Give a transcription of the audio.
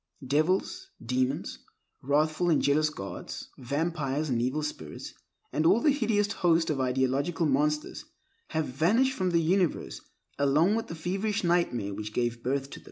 Devils, demons, wrathful and jealous gods, vampires and evil spirits, and all the hideous host of the ideological monsters, have vanished from the universe along with the feverish nightmare which gave them birth.